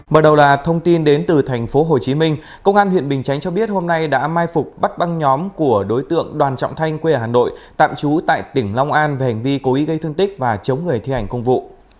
mở đầu là thông tin đến từ thành phố hồ chí minh công an huyện bình chánh cho biết hôm nay đã mai phục bắt băng nhóm của đối tượng đoàn trọng thanh quê hà nội tạm trú tại tỉnh long an về hành vi cố ý gây thương tích và chống người thi hành công vụ